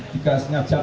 sehingga nanti tiga jam